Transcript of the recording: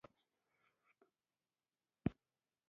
د امیر پر اطاعت باندې بشپړ باور لري.